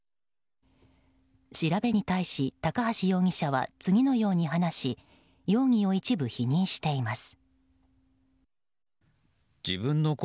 調べに対し高橋容疑者は次のように話し容疑を一部否認しています。